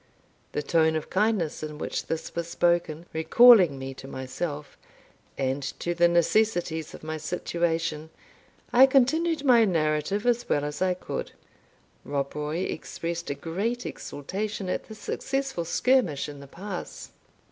The tone of kindness in which this was spoken, recalling me to myself, and to the necessities of my situation, I continued my narrative as well as I could. Rob Roy expressed great exultation at the successful skirmish in the pass.